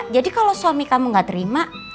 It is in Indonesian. jadi kalau suami kamu gak terima